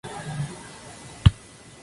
Al año siguiente se enroló con el Cruz Azul.